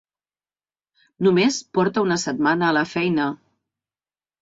Només porta una setmana a la feina.